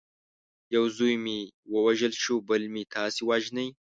یو زوی مې ووژل شو بل مې تاسي وژنئ.